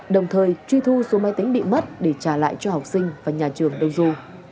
đồng thời truy thu số máy tính bị mất để trả lại cho học sinh và nhà trường đông du